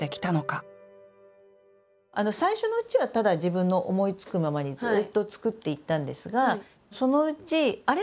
最初のうちはただ自分の思いつくままにずっと作っていったんですがそのうちあれ？